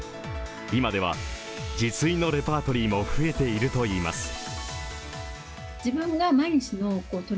今では、自炊のレパートリーも増えているといいます。